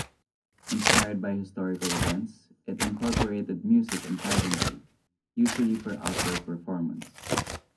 Inspired by historical events, it incorporated music and pageantry, usually for outdoor performance.